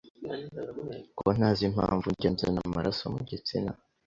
ko ntazi impamvu njya nzana amaraso mu gitsina